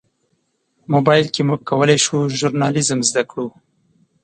موبایل کې موږ کولی شو ژورنالیزم زده کړو.